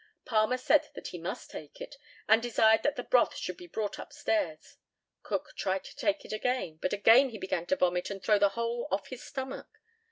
Palmer said that he must take it, and desired that the broth should be brought upstairs. Cook tried to take it again, but again he began to vomit and throw the whole off his stomach.